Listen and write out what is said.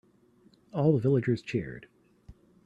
All the villagers cheered.